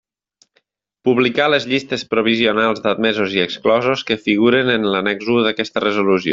Publicar les llistes provisionals d'admesos i exclosos que figuren en l'annex u d'aquesta resolució.